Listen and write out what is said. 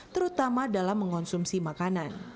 terutama dalam mengonsumsi makanan